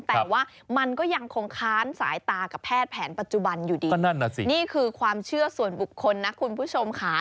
แต่ว่ามันก็ยังคงค้านสายตากับแพทย์แผนปัจจุบันอยู่ดีก็นั่นน่ะสินี่คือความเชื่อส่วนบุคคลนะคุณผู้ชมค่ะ